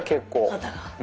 肩が。